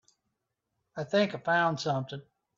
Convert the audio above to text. I think I found something.